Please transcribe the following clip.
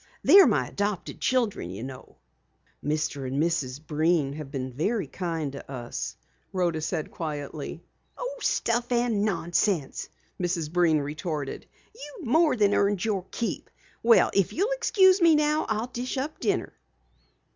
They're my adopted children, you know." "Mr. and Mrs. Breen have been very kind to us," Rhoda said quietly. "Stuff and nonsense!" Mrs. Breen retorted. "You've more than earned your keep. Well, if you'll excuse me now, I'll dish up dinner."